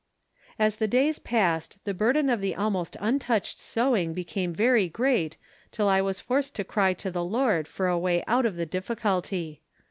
As the days passed the burden of the almost untouched sewing became very great till I was forced to cry to the Lord for a way out of the difficulty.